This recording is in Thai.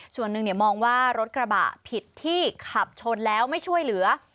ส่วนหนึ่งมองว่ารถกระบะผิดที่ขับชนแล้วไม่ช่วยเหลือ